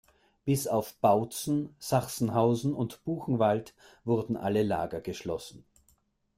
Bis auf Bautzen, Sachsenhausen und Buchenwald wurden alle Lager geschlossen.